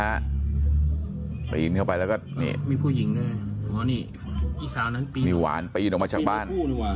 มีผู้หญิงชายถึงตีว้าปีนออกมาจากบ้าน